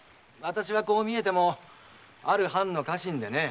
こう見えても私はある藩の家臣でね。